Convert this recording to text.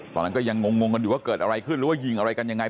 ตอนนั้นก็ยังงงกันอยู่ว่าเกิดอะไรขึ้นหรือว่ายิงอะไรกันยังไง